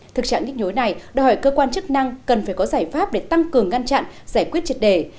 thực trạng nhức nhối này đòi hỏi cơ quan chức năng cần phải có giải pháp để tăng cường ngăn chặn giải quyết triệt đề